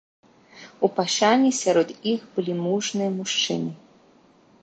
У пашане сярод іх былі мужныя мужчыны.